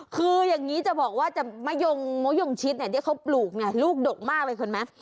คืออย่างงี้จะบอกว่าจะมะยงชิดที่เขาปลูกลูกดวกรู้ยังไงค่อยคนมั้ย